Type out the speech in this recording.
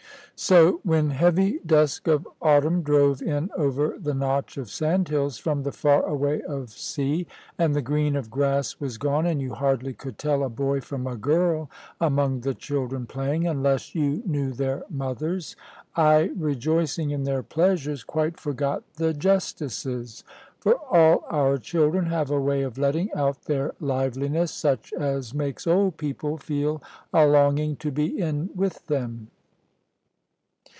So, when heavy dusk of autumn drove in over the notch of sandhills from the far away of sea, and the green of grass was gone, and you hardly could tell a boy from a girl among the children playing, unless you knew their mothers; I rejoicing in their pleasures, quite forgot the justices. For all our children have a way of letting out their liveliness, such as makes old people feel a longing to be in with them.